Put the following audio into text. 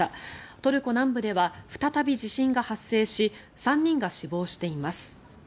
トルコ南部では再び地震が発生し３人が死亡しています。